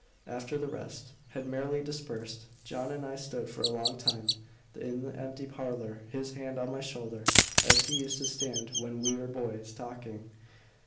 After the rest had merrily dispersed, John and I stood for a long time in the empty parlour, his hand on my shoulder, as he used to stand when we were boys, talking.